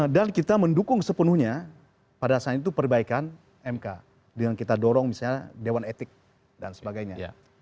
dan kita mendukung sepenuhnya pada saat itu perbaikan mk dengan kita dorong misalnya dewan etik dan sebagainya